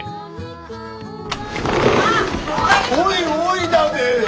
おいおいだべ！